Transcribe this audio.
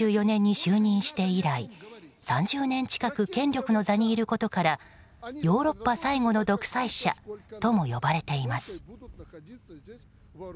１９９４年に就任して以来３０年近く権力の座にいることからヨーロッパ最後の独裁者とも呼ばれています。